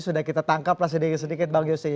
sudah kita tangkaplah sedikit sedikit bang yose